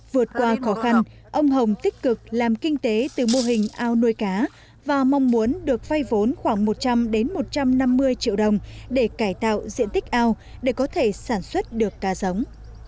vượt qua khó khăn ông hồng tích cực làm kinh tế từ mô hình ao nuôi cá và mong muốn được vay vốn khoảng một trăm linh một trăm năm mươi triệu đồng để cải tạo diện tích ao để có thể sản xuất được cá giống